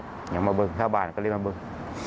เยี่ยงมาบึกถ้าบ้านก็เลยมาบึก